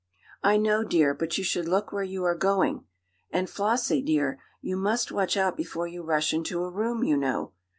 "I know, dear, but you should look where you are going. And, Flossie, dear, you must watch out before you rush into a room, you know."